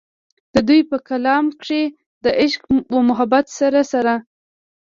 د دوي پۀ کلام کښې د عشق و محبت سره سره